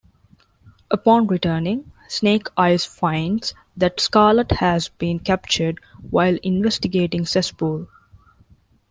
Upon returning, Snake Eyes finds that Scarlett has been captured while investigating Cesspool.